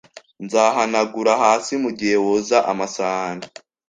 Nzahanagura hasi mugihe woza amasahani